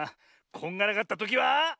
こんがらがったときは。